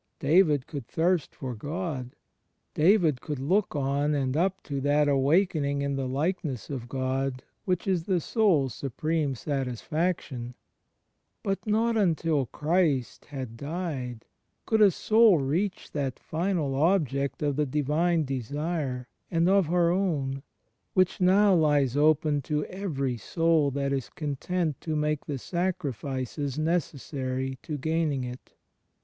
David coidd thirst for • God; David coidd look on and up to that "awakening in the likeness of God" which is the soid's supreme satisfaction; but not imtil Christ had died could a soul reach that final object of the Divine desire and of her own which now lies open to every so\il that is content to make the sacrifices necessary to gaining it.